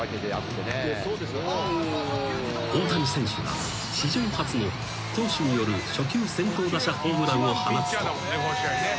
［大谷選手が史上初の投手による初球先頭打者ホームランを放つと］